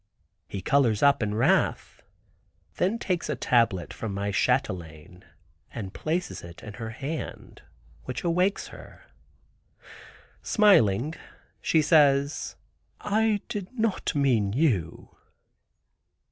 He colors up in wrath, then takes a tablet from my chatelaine, and places it in her hand, which awakes her. Smiling, she says, "I did not mean you."